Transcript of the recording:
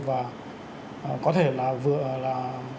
và có thể là vừa là